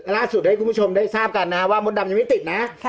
ล่าสุดให้คุณผู้ชมได้ทราบกันนะว่ามดดำยังไม่ติดนะ